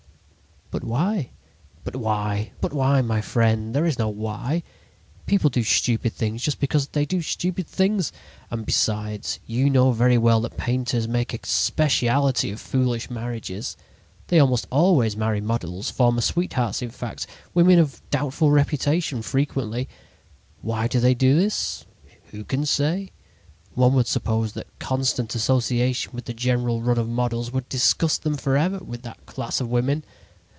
"But why?" "But why—but why, my friend? There is no why. People do stupid things just because they do stupid things. And, besides, you know very well that painters make a specialty of foolish marriages. They almost always marry models, former sweethearts, in fact, women of doubtful reputation, frequently. Why do they do this? Who can say? One would suppose that constant association with the general run of models would disgust them forever with that class of women.